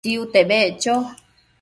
Tsiute beccho